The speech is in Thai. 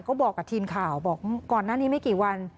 ก็บอกกับทีมข่าวบอกก่อนหน้านี้ไม่กี่วัน